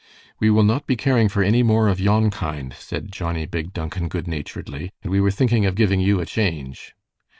"We will not be caring for any more of yon kind," said Johnnie Big Duncan, good naturedly, "and we were thinking of giving you a change."